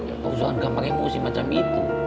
tau jangan gampang emosi macam itu